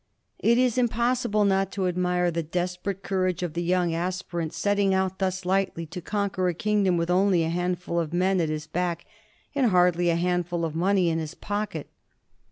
It is impossible not to admire the desperate courage of the young aspirant setting out thus lightly to conquer a kingdom with only a handful of men at his back and hardly a handful of money in his pocket.